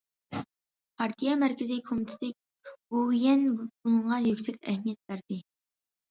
پارتىيە مەركىزى كومىتېتى، گوۋۇيۈەن بۇنىڭغا يۈكسەك ئەھمىيەت بەردى.